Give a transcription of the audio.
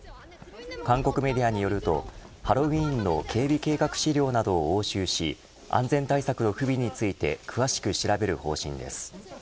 韓国メディアによるとハロウィーンの警備計画資料などを押収し安全対策の不備について詳しく調べる方針です。